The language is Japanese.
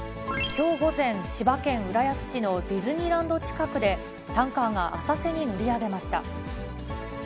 きょう午前、千葉県浦安市のディズニーランド近くで、タンカーが浅瀬に乗り上げました。